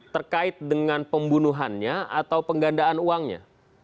terkait dengan pembunuhannya atau penggandaan uangnya